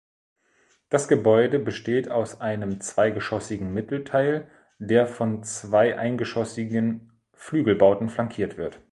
Das Gebäude besteht aus einem zweigeschossigen Mittelteil, der von zwei eingeschossigen Flügelbauten flankiert wird.